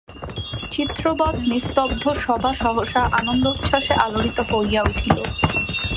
চিত্রবৎ নিস্তব্ধ সভা সহসা আনন্দোচ্ছ্বাসে আলোড়িত হইয়া উঠিল।